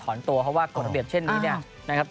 ถอนตัวเพราะว่ากฎระเบียบเช่นนี้นะครับ